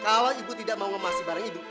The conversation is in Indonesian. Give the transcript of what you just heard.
kalau ibu tidak mau memasak barang ibu